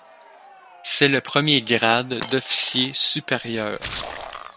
C'est le premier grade d'officier supérieur.